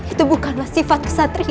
itu bukanlah sifat kesatria